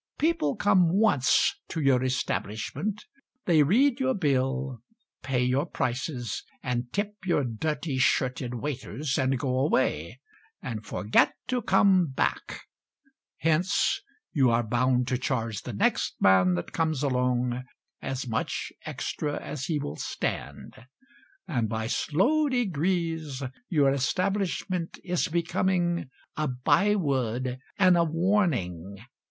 People come once to your establishment, They read your bill, Pay your prices And tip your dirty shirted waiters, And go away And forget to come back. Hence You are bound to charge The next man that comes along As much extra as he will stand, And by slow degrees Your establishment Is becoming A by word And a warning.